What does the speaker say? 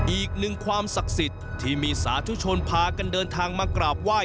อีกหนึ่งความศักดิ์สิทธิ์ที่มีสาธุชนพากันเดินทางมากราบไหว้